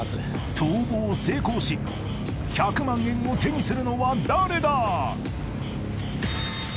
［逃亡成功し１００万円を手にするのは誰だ？］